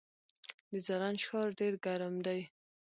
د زرنج ښار ډیر ګرم دی